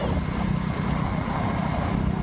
อุ๊ย